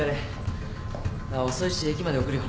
遅いし駅まで送るよ。